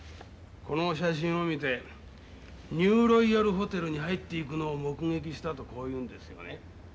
この写真を見て「ニューロイヤルホテルに入っていくのを目撃した」とこう言うんですよね。